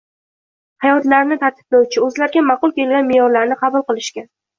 hayotlarini tartiblovchi, o‘zlariga ma’qul kelgan me’yorlarni qabul qilishgan.